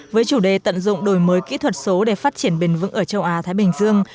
với chủ đề tận dụng đổi mới kỹ thuật số để phát triển bền vững ở châu á thái bình dương